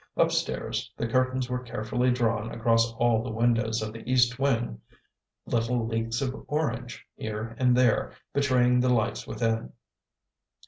Up stairs the curtains were carefully drawn across all the windows of the east wing; little leaks of orange, here and there, betraying the lights within.